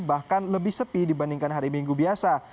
bahkan lebih sepi dibandingkan hari minggu biasa